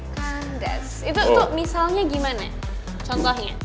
kandes itu untuk misalnya gimana contohnya